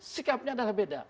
sikapnya adalah beda